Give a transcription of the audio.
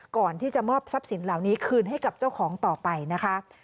ก่อนที่จะมอบทรัพย์สินเหล่านี้คืนให้กับเจ้าของต่อไปนะคะ